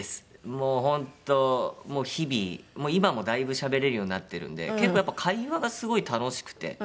もう本当日々今もだいぶしゃべれるようになってるんで結構やっぱ会話がすごい楽しくて。